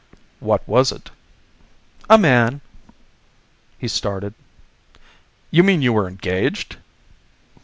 "What was it?" "A man." He started. "You mean you were engaged?"